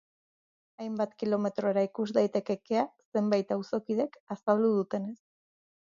Hainbat kilometrora ikus daiteke kea, zenbait auzokidek azaldu dutenez.